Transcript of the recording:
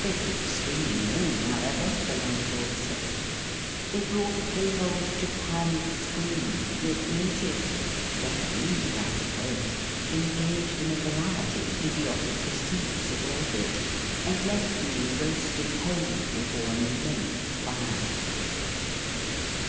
They could screen me in, however, the landlord said. They brought a great old japanned screen, with natives (Japanese, I suppose) engaged in a variety of idiotic pursuits all over it; and left me roasting whole before an immense fire.